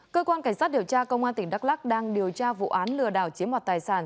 cơ quan cảnh sát điều tra công an tỉnh đắk lắc đang điều tra vụ án lừa đảo chiếm mọt tài sản